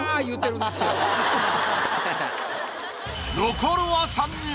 残るは３人。